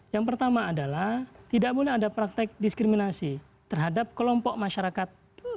yang pertama adalah tidak boleh ada praktek diskriminasi terhadap kelompok masyarakat